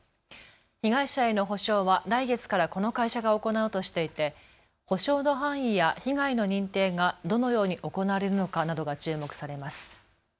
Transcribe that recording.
被害者への補償は来月からこの会社が行うとしていて補償の範囲や被害の認定がどのように行われるのかなどが注目されます。